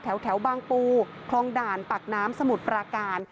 แถวบางปูคลองด่านปากน้ำสมุทรปราการ